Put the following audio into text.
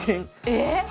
えっ！